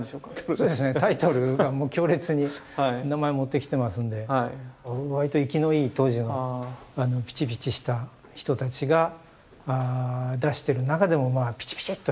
そうですねタイトルがもう強烈に名前持ってきてますんで割と生きのいい当時のピチピチした人たちが出してる中でもまあピチピチッとした。